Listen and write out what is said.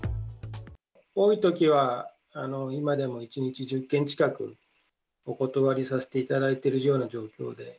多いときは、今でも１日１０件近く、お断りさせていただいているような状況で。